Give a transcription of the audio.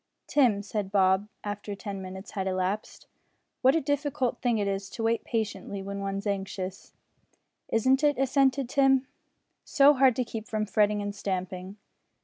"Tim," said Bob, after ten minutes had elapsed, "what a difficult thing it is to wait patiently when one's anxious!" "Isn't it!" assented Tim, "so hard to keep from fretting and stamping."